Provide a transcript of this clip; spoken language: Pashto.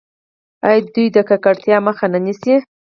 آیا دوی د ککړتیا مخه نه نیسي؟